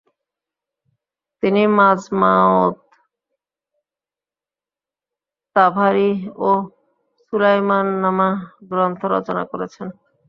তিনি মাজমাওত তাভারিহ ও সুলাইমাননামা গ্রন্থ রচনা করেছেন।